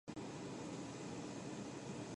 He was buried at the family plot, at his home.